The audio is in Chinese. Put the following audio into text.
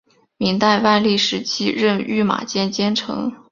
明代万历时期任御马监监丞。